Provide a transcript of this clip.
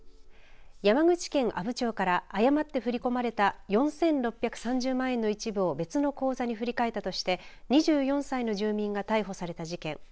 山口県阿武町から誤って振り込まれた４６３０万円の一部を別の口座に振り替えたとして２４歳の住民が逮捕された事件